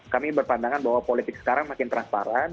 kami berpandangan bahwa politik sekarang makin transparan